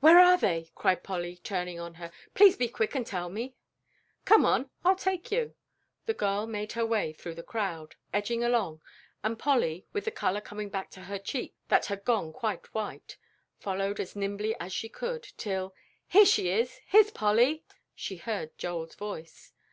"Where are they?" cried Polly, turning on her, "please be quick and tell me." "Come on, I'll take you." The girl made her way through the crowd, edging along, and Polly, with the color coming back to her cheeks that had gone quite white, followed as nimbly as she could, till, "Here she is; here's Polly!" She heard Joel's voice.